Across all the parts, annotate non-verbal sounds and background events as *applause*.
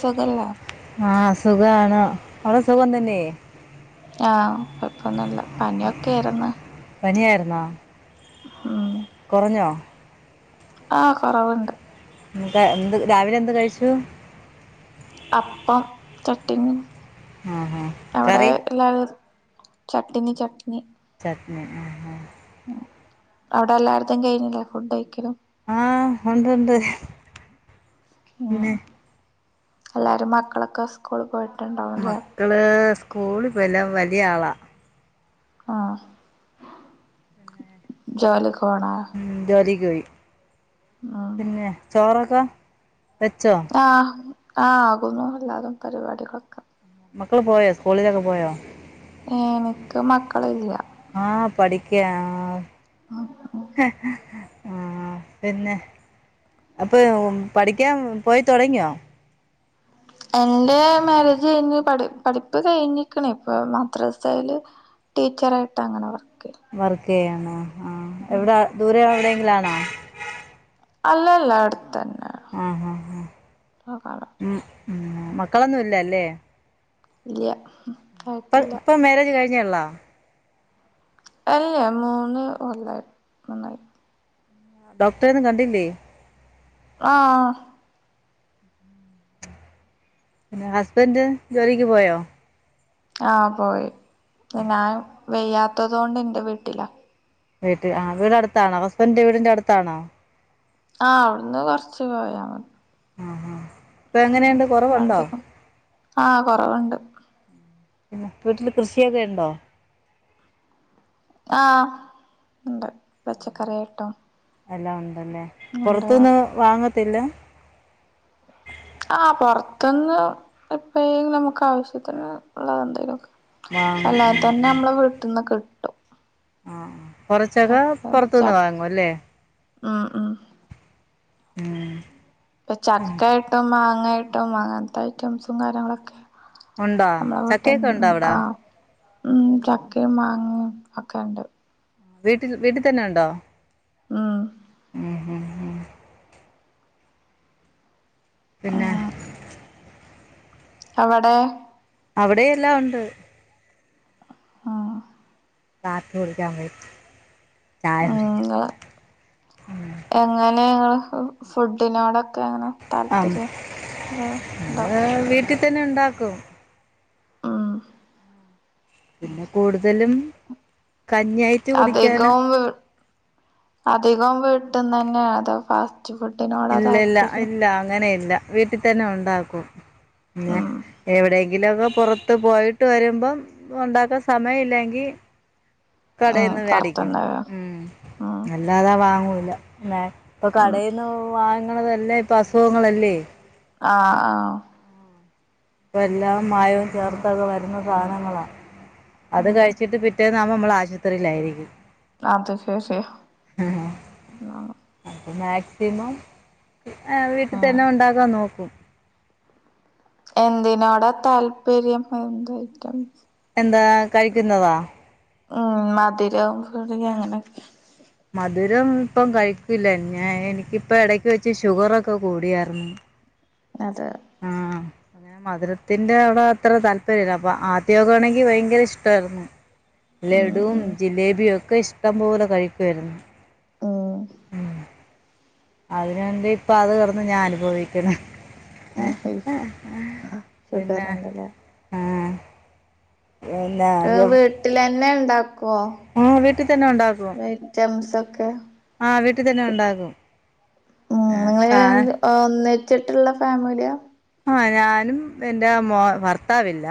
സുഖല്ലേ ആഹ് സുഖാണ് അവിടെ സുഖം തന്നെ ആഹ് കുഴപ്പൊന്നുമില്ല പനിയൊക്കെ ആര്ന്ന് പനിയായിരുന്നോ *inaudible* കുറഞ്ഞോ ആഹ് കൊറവൊണ്ട് എന്ത് രാവിലെ എന്ത് കഴിച്ചു അപ്പം ചട്ട്നി ആ ഹാ അവിടെ കറി എല്ലാവരും ചട്ട്നി ചട്ട്നി ചട്ട്നി ആഹ് ആഹ് അവിടെ എല്ലായിടത്തും കഴിഞ്ഞില്ലേ ഫുഡ് കഴിക്കല് ആഹ് ഉണ്ട്ണ്ട് ഉം പിന്നെ എല്ലാരും മക്കളൊക്കെ സ്കൂളി പോയി മക്കള് സ്കൂളി വിടാൻ വലിയ ആളാ ആഹ് ജോലിക്ക് പോണാ ഉം, ജോലിക്ക് പോയി പിന്നെ ചോറ് പാ ആഹ് ആ ആകുന്നുല്ലാതും പരിപാടികളൊക്കെ. മക്കള് പോയോ സ്കൂളിലൊക്കെ പോയോ? ഏനിക്ക് മക്കളില്ല. ക്യാ *unintelligible* ആ പിന്നെ അപ്പ പഠിക്കാൻ പോയിത്തൊടങ്ങിയോ? എന്റെ മാര്യേജ് കഴിഞ്ഞ് പഠി പഠിപ്പ് കഴിഞ്ഞിക്കണ് ഇപ്പൊ മദ്രസയില് ടീച്ചറായിട്ട് അങ്ങനെ പോ. വർക്ക്യ്യാണോ? ആ എവിടാ ദൂരെയതെ - ഇലാണോ? അല്ലല്ല അടുത്താണ്. ആഹ് ആഹ് ഉം *unintelligible* ഉം മക്കളൊന്നും ഇല്ലല്ലേ? ഇല്ല്യ. പ്പൻ ഞ്ഞെയൊള്ളോ? അല്ലേ മൂന്ന് ഒല്ലായി മൂന്നായി. ഡോക്ടറെ ന്നും കണ്ടില്ലേ? ആ പിന്നെ ഹസ്ബൻഡ് ജോലിക്ക് പോയോ? ആ പോയി. പിന്നെ വെയ്യാത്തത്ണ്ട് ന്റെ വീട്ടിലാ. വീട്ടിൽ, ആ വീടടുത്താണോ ഹസ്ബൻഡിന്റെ വീടിന്റെ അടുത്താണോ? ആ അവിടുന്ന് കൊറച്ച് പോയാ മതി. ആ ആ ഉം വൽത്തെക്കും ആ കൊറവൊണ്ട് പിന്നെ വീട്ടില് കൃഷിയൊക്കെ ണ്ടോ? ആ ഒണ്ട് പച്ചക്കറിയായിട്ടോ എല്ലാം ഒണ്ട്. തന്നേ പൊറത്തൂന്ന് വാങ്ങ ത്തില്ലാ? ആ പൊറത്തന്ന് എപ്പേലും നമുക്ക് ആവശ്യത്തിന് ഉള്ളത് എന്തേലും. ക്കെ വാങ്ങും അല്ലാതെതന്നെ നമ്മള് കിട്ട ട്ടോ ആ കൊറച്ചൊക്കെ പൊറത്തുന്ന് വാങ്ങും ല്ലേ ആ ആ ഉം ഇപ്പൊ ചക്കയിട്ടും മാങ്ങാ *unintelligible* അങ്ങനത്തെ ഐറ്റംസും കാര്യങ്ങളൊക്കെ ഉണ്ടോ നമ്മളെ ചക്കയൊക്കെ ഉണ്ടോ വീട്ടിന്ന് അവിടാ ആഹ് ഉം ചക്കയും മാങ്ങയും ഒക്കെ ഒണ്ട് വീട്ടിൽ വീട്ടിൽ തന്നെ ഉണ്ടോ ആ ഉം ഉം ഉം പിന്നെ ഉം അവിടെ അവിടെയല്ലാ ഉണ്ട് ആ *unintelligible* ചായ *unintelligible* ഉം ഉം എല്ലാർക്കും ഫുഡിനോട് ഒക്കെ അങ്ങനെ ആം താല്പര്യം വല്ലോം ഉണ്ടോ അത് *unintelligible* തന്നെ ഉണ്ടാക്കും ആ പിന്നെ കൂടുതലും കഞ്ഞിയായിറ്റ് കുടിക്കാന അധികവും അധികം വീട്ടും തന്നെയാ അതാ *unintelligible* ഇല്ല ഇല്ല ഇല്ല അങ്ങനെ ഇല്ല വീട്ടിൽ തന്നെ ഉണ്ടാക്കും പിന്നെ ഉം എവിടെ *unintelligible* പുറത്ത് പോയിട്ട് വരുമ്പം ഉണ്ടാക്കാൻ സമയം ഇല്ലെങ്കി ഉം കടേന്ന് വേടിക്കും പുറത്തുന്ന് ഉം ഉം അല്ലാതെ വാങ്ങൂ ഇപ്പൊ ഉം കടേന്ന് വാ *unintelligible* എല്ലാം ഇപ്പൊ അസുഖങ്ങളല്ലേ ആ ആഹാ എല്ലാം മായവും ചേർത്തത് വരുന്ന സാധനങ്ങളാ അത് ഉം കഴിച്ചിട്ട് പിറ്റേ *unintelligible* നമ്മള് ആശുത്രിയിലായിരിക്കും അത് ശരി ആ അപ്പം മാക്സിമം ആ വീട്ടിൽ തന്നെ ഉണ്ടാകാൻ നോക്കും എന്തിനോടാ താല്പര്യം *inaudible* എന്താ കഴിക്കുന്നതാ ഉം മധുരവും പുളി അങ്ങനെയൊക്കെ മധുരം ഇപ്പം കഴിക്കില്ല ഞാൻ എനിക്കിപ്പ എടയ്ക്ക് വെച്ച് ഷുഗറൊക്കെ കൂടിയായിരുന്നു അതെ മധുരത്തിന്റെ അവിടെ അത്ര താല്പര്യം ഇല്ല അപ്പൊ ആദ്യോക്കാണെങ്കി ഭയങ്കര ഇഷ്ടവായിരുന്നു ഉം ലഡുവും ഉം ജിലേബിയും ഒക്കെ ഇഷ്ടം പോലെ കഴിക്കോയിരുന്നു. ഉം അതിനുവേണ്ടി ഇപ്പൊ അത് കടന്ന് ഞാൻ അനുഭവിക്ക്ണേ ആഹ് ശരി ശരി ആഹ് ഷുഗർ പിന്നെ ഉണ്ടല്ലേ ആഹ് വീട്ടിലെന്നെ ണ്ടാക്കു ആ വീട്ടി തന്നെ ഉണ്ടാക്കും ഐറ്റംസ് ഒക്കെ ആ വീട്ടി തന്നെ ഉണ്ടാകും *unintelligible* ച്ചിട്ടുള്ള ഫാമിലിയ ആ ഞാനും എന്റെ മോ ഭർത്താവില്ല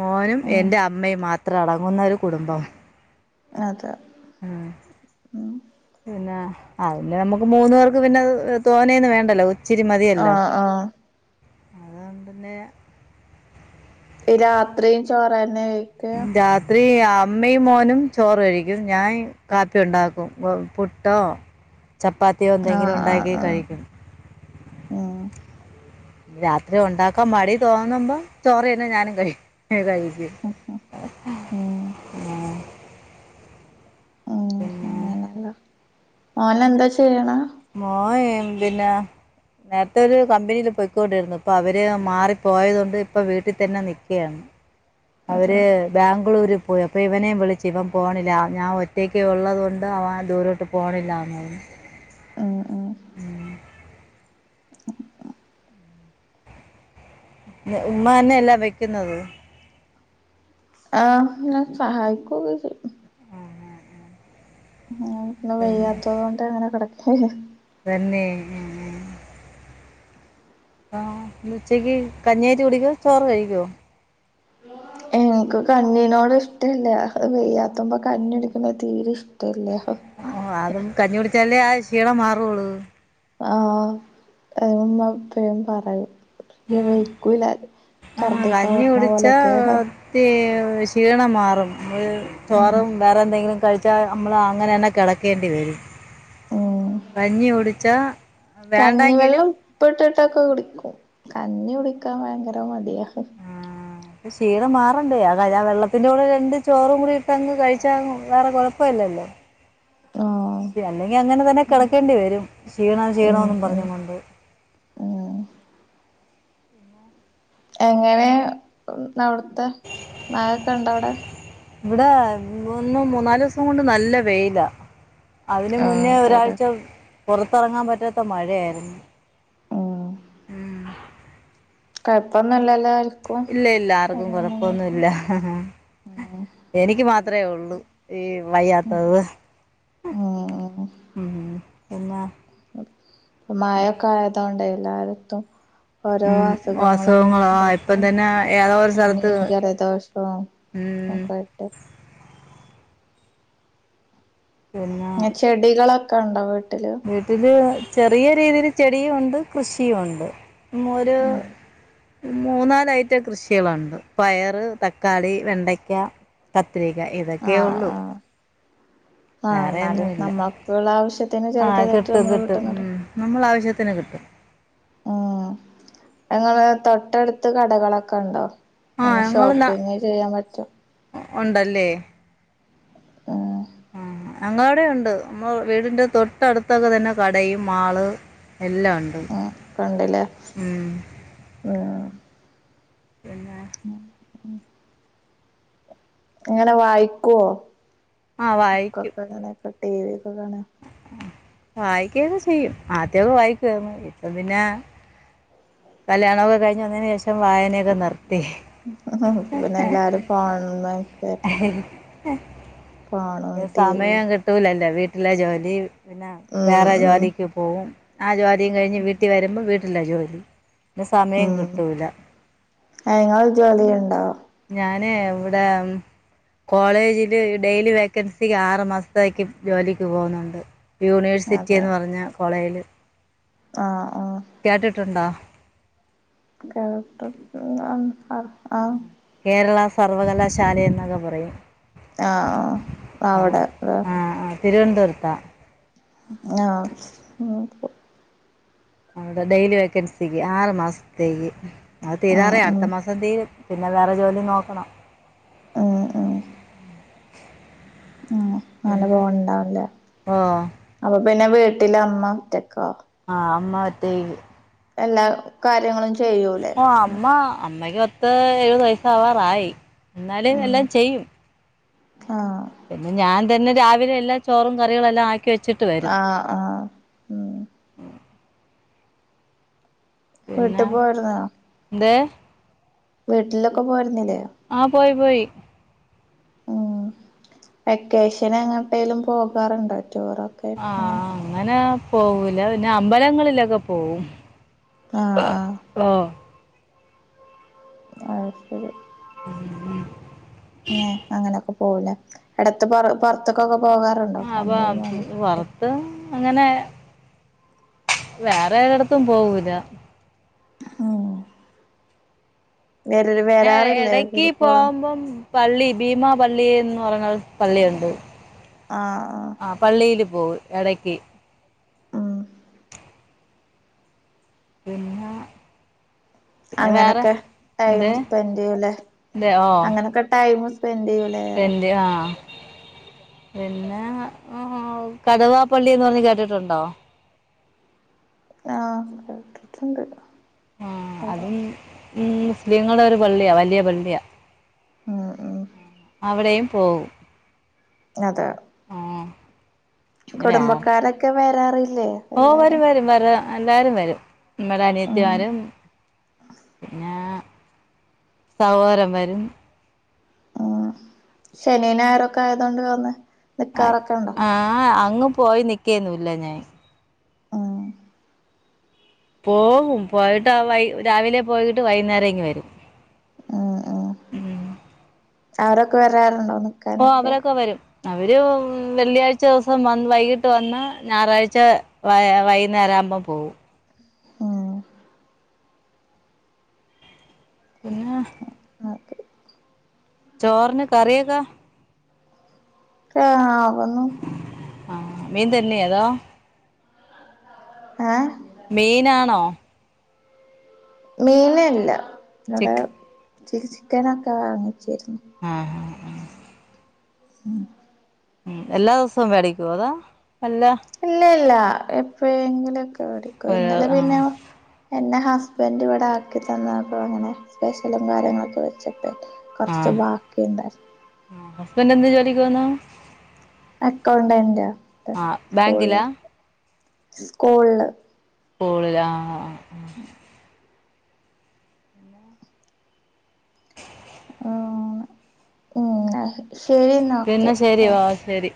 മോനും ഉം എന്റെ അമ്മയും മാത്രം ഇത്ര അടങ്ങുന്ന ഒരു കുടുംബം അതെ ആഹ് ഉം പിന്നെ ആഹ് പിന്നെ നമുക്ക് മൂന്നു പേർക്ക് പിന്നെ തോന്നേന്ന് വേണ്ടല്ലോ ആഹ് ആഹ് അതോണ്ട് പിന്നെ രാത്രിയും ചോറ് തന്നെ രാത്രി അമ്മയും മോനും ചോറ് കഴിക്കും ഞാൻ കാപ്പി ഉണ്ടാക്കും പുട്ടോ ചപ്പാത്തിയോ എന്തെങ്കിലും ആഹ് ആഹ് ഉണ്ടാക്കി ആഹ് കഴിക്കും ഉം രാത്രി ഉണ്ടാക്കാം മടി തോന്നുമ്പോ ചോറന്നെ ഞാനും കഴിക്ക് ന്നെ കഴിക്കും ഉം ആഹ് പിന്നെ ഓനന്താ ചെയ്യ്ണ് മോൻ പിന്നെ നേര്ത്തെ ഒരു കമ്പിനിയില് പൊയ്ക്കോണ്ടിരുന്നു ഇപ്പൊ അവര് മാറി പോയതോണ്ട് ഇപ്പ വീട്ടിത്തന്നെ നിക്ക്യയാണ് അതെ അവര് ബാംഗ്ലൂര് പോയി അപ്പൊ ഇവനെ വിളിച്ചി ഇവൻ പോണില്ല ഞാൻ ഒറ്റയ്ക്ക് ഉള്ളത് കൊണ്ട് അവൻ ദൂരോട്ട് പോണില്ലാന്ന് ഉം ഉം ഞ് ഉമ്മാന്നെല്ലേ വെയ്ക്കുന്നത് ആഹ് ഞാൻ സഹായിക്കൊക്കെ ചെയ്യും ആഹ് ആഹ് ആഹ് പിന്നെ ഇന്ന് വയ്യാത്തതോണ്ട് അങ്ങനെ കെടക്ക് തന്നെ ഉം ആഹ് ഇന്ന്ഉച്ചയ്ക്ക് കഞ്യായിട്ട് കുടിക്കോ ചോറ് കഴിക്ക്യോ എനിക്ക്കഞ്ഞിനോട് ഇഷ്ടമല്ല വെയ്യാത്തപ്പോൾ കഞ്ഞി എടുക്കുന്നത് തീരെ ഇഷ്ടമല്ലേ ചാലെ ആ ഷീണം മാറുകയുള്ളു ആഅ അത് എപ്പഴും പറയും ഉം, ഒക്കില്ല ആ ഛർദിക്കാൻ കഞ്ഞി വരുന്ന കുടിച്ചാൽ പോലെയൊക്കെ ഒത്തി ക്ഷീണം മാറും നമ്മള് ചോറും വേറെ എന്തെങ്കിലും കഴിച്ച ച്ച നമ്മള് അങ്ങനെ തന്നെ കിടക്കേണ്ടി വരും ഉം കഞ്ഞി കുടിച്ചാ കഞ്ഞിവെള്ളം ഉപ്പിട്ട് ട്ടൊക്കെ കുടിക്കും കഞ്ഞി കുടിക്കാൻ ഭയങ്കര മടിയാ ആ അപ്പ ഷീണം മാറണ്ടേ ആ വെള്ളത്തിന്റെ കൂടെ രണ്ട് ചോറും കൂടിട്ട് അങ്ങ് കഴിച്ചാ വേറെ കൊഴപ്പല്ലല്ലോ ആഹ് ശ അല്ലെങ്കി അങ്ങനെതന്നെ കിടക്കേണ്ടി വരും ക്ഷീണംക്ഷീണം ഉം എന്ന് ഉം പറഞ്ഞും കൊണ്ട് ഉം എങ്ങനെ അവിടുത്തെ നായൊക്കെ ഉണ്ടോ അവിടെ ഇവിടെ ഒന്നും മൂന്നാലു ദിവസം കൊണ്ട് നല്ല വെയിലാ അതിന് ആഹ് മുന്നേ അതെല്ലേ ഒരാഴ്ച പുറത്തിറങ്ങാൻ പറ്റാത്ത മഴയായിരുന്നു ഉം കുഴപ്പം ഒന്നും ഇല്ലല്ലോ ഇല്ല ഇല്ല ആർക്കും കൊഴപ്പൊന്നുമല്ല ഉം എനിക്ക് മാത്രമേ ഉള്ളു ഈ വയ്യാത്തത് ഉം ഉ പിന്നെ മഴൊക്കെ ആയതോണ്ട എല്ലായിർത്തും ഓരോ ഉം അസുഖങ്ങളും അസുഖങ്ങളോ ഇതൊക്കെ ഇപ്പം തന്നെ ഏതോ ഒരു സ്ഥലത്ത് പനിയും ജലദോഷവും ഉം ഒക്കെ ഇണ്ട് പിന്നെ ചെടികളൊക്കെ കണ്ടപട്ട് വീട്ടില് ചെറിയ രീതിയിൽ ചെടിയും ഉണ്ട് കൃഷിയും ഉണ്ട് ഒരു ഉം മൂന്നാല് ഐറ്റം കൃഷികളുണ്ട് പയറ് തക്കാളി വെണ്ടക്ക പത്രിക ഇതൊക്കെയെ ഉള്ളൂ ആഹ എന്നാലും വേറെയൊന്നുമില്ല നമ്മൾക്ക് ഉള്ള ആവശ്യത്തിന് ആ ചെറുത്തതായിട്ട് നമ്മള് കിട്ടുന്നുണ്ട് പത്തനതിട്ട് ഞങ്ങള് തൊട്ടടുത്ത് കടകളൊക്കെ ഉണ്ടോ ആ അനെ ഞങ്ങൾ ഷോപ്പിങ് ചെയ്യാൻ പറ്റോ ഉണ്ടല്ലേ ഉം ഉ അഞങ്ങ അവിടെുണ്ട് നമ്മ വീടിന്റെ തൊട്ടടുത്തൊക്കെ തന്നെ കടയും മാള് എല്ലാം ഉണ്ട് ഉം ആ പിന്നെ ആ ഉ അങ്ങനെ വായിക്കുവോ ആഹ് വായിക്കും ഒക്കക്കനക്ക േവ ഒക്കെ കാണ വായിക്കക്കെ ചെയ്യും ആദ്യൊക്കെ വായിക്കുവന്ന് ഇപ്പം പിന്നെ കല് ആണകേ കഞ്ഞ പക്ഷം വായനൊക്കെ നിർത്തി ഇപ്പൊ പിന്നെ എല്ലാരും അ ഫോൺമേക്കല്ലേ ഫോണും ഉം ടിവിയും സമയം കിട്ടൂലല്ലേ വീട്ട ഇല്ല ജോി പിന്നെ ഉം വേറെ ഉം ജാലിക്ക് പോകവും ആജോ അത കഴിഞ് വീട്ട വമ്പോ വീ എല്ല ജോലി ഉം കിട്ടൂല അങ്ങൾ ജോലി ഉണ്ടാവോ ഇവി കോളേജില് ഡെി വൻസി ആറു മാസത്തേക്ക്ും ജോലിക്ക് പോകുന്നുണ്ട് യൂണിവേഴ്സിറ്റി എന്ന് പറഞ്ഞ കോളേജിൽ ആഹ കേട്ടിട്ടുണ്ടോ ക ആഹ കേരള സർവകലാശാല എന്നൊക്കെ പറയും ആഹ ആ അവിടെ ഹ തിരുവനന്തപുരത്ത ആഹ അവടെ ഡെയലി വേക്കൻസിക്ക് ആറ്ു മാസത്തേക്ക് അത് തീരാറേ ഉം ഉം അടുത്ത മാസം തീ പിന്നെ വേറെ ജോലി നോക്കണം ആഹ ആഹ ഉം അങ്ങനെ പിന്നെ പോകണിണ്ടാവല്ലേ ഓ പിന്നെ വീട്ടിലമ്മ ഒറ്റക്ക ആഹ് അമ്മ ഒറ്റക്ക് എല്ലാ കാര്യങ്ങളും ചെയ്യൂലേ ഓ അമ്മ അമ്മ *unintelligible* പത്ത് എഴുത് വയസാവാറായി എന്നാല് ഉം എല്ലാം ചെയ്യും ആഹ് പിന്നെ ഞാൻ തന്നെ രാവിലെ എല്ലാ ചോറും കറികളെല്ലാം ആക്കി വെച്ചിട്ട് വരും ആഹ് ആഹ് ഉം *unintelligible* പിന്നെ വീട്ടിൽ പോയിരുന്ന എന്തേ വീട്ടിലൊക്കെ പോയിരുന്നില്ലേ ആഹ് പോയി പോയി ഉം വെക്കേഷൻ എങ്ങേട്ടേലും പോകാറുണ്ടോ ടൂറൊക്കെ ആയിട്ട് ആഹ് അങ്ങനെ പോവൂല പിന്നെ അമ്പലങ്ങളിലൊക്കെ പോവും ആഹ് ആഹ് ഓ അതുശെരി ഉം ഉം ങ്ങേ അങ്ങനൊക്കെ പോവൂല്ലേ? എടെത്ത് പ്പോ പൊർത്ത്ക്കൊക്കെ ആഹ് പോ പൊറത്ത് അങ്ങനെ വേറെ എതെട്ത്തും പോവൂല. ഹോ ഞാ എടയ്ക്ക് കൂടുക്കോളും പോവുമ്പം പള്ളി ഭീമാപള്ളി എന്ന് പറഞ്ഞൊരു പള്ളിയുണ്ട്. ആഹ്, ആഹ് പോ എടയ്ക്ക് ഉം പിന്നെ പിന്നെ വേറെ അങ്ങനൊക്കെ ടൈം എന്തേ സ്പെന്റചെയ്യൂല്ലേ എന്തേ ഓ അങ്ങനൊക്കെടൈം സ്പെന്റ് ചെയ്യൂലേറിയാ എൻ്റെ ആ പിന്നെ ഹോ കടുവാപ്പള്ളിന്ന് പറഞ്ഞ് കേട്ടിട്ടുണ്ടോ? ആഹ് കേട്ട്ട്ട്ണ്ട്. ആഹ് അതും ഈ മുസ്ലിങ്ങളെ ഒരു പള്ള്യാ. വലിയ പള്ള്യാ. ഉം ഉം ആഹ് അവിടെയും പോ അതെ ആ കുടുംബക്കാരൊക്കെ റി ഓഹ് വരും വരും വരാ അല്ലാരും വരും ഇന്നലെ ഉം അനിയത്തിമാരും പിന്നെ സഹോരം വരും ഉം ശനിഞായറൊക്കെ ആയതോണ്ട് വന്ന നിക്കാറൊക്കെ ഉണ്ടോ ആ അങ്ങ് പോയി നിക്കേന്നുല്ല ഞാൻ ഉം പോവും പോയിട്ട് ആഹ് വൈ രാവിലെ പോയിട്ട് വൈകുന്നേരംങ്കി വരും ഉം ഉം അവരൊക്കെ വരാറുണ്ടോ ഓഹ് നിക്കാനൊക്കെ അവരൊക്കെ വരും അവര് വെള്ളിയാഴ്ച ദിവസം വന്ന് വൈകിട്ട് വന്ന് ഞായറാഴ്ച വ വൈകുന്നേര ആവുമ്പോ പോകും ഉം പിന്നെ *unintelligible* ചോറിന് കറിയക്കാ ആഹ് വന്നും ആഹ് മീൻ തന്നെ അതോ ആഹ് മീനാണോ മീനല്ല ചിക്ക് *unintelligible* ചക്ക് ചിക്കനൊക്കെ വാങ്ങി ശരി ആ ഉം ഉം എല്ലാ ദിവസവും വേടിക്കു അതാ ഇല്ല ഇല്ല എപ്പോഴെങ്കിലൊക്കെ ടിക്കും ഒരു ഇന്നല ആ പിന്നെ എന്നാ ഹസ്ബൻ് ഇവിടെ ആക്കി തന്നപ്പോൾ അങ്ങനെ സ്പെഷ്യല കാര്യങ്ങളൊക്കെ വെച്ച ആ കൊറച്ച് ബാക്കിണ്ടായി ഹസ്ബൻഡ് എന്ത് ജോലിക്കോന്നോ അക്കൗണ്ടന്റ് സ്കൂള് ബാങ്കിലാ സ്കൂള് സ്കൂളിൽ ആഹ് *unintelligible* മമ് പിന്നെ ശരി ഓഹ് ശരി